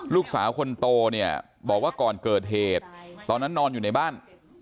ลูกสาวคนโตเนี่ยบอกว่าก่อนเกิดเหตุตอนนั้นนอนอยู่ในบ้าน